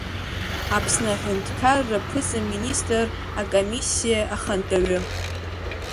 Аԥсны Аҳәынҭқарра ԥыза-министр акомиссиа ахантәаҩы…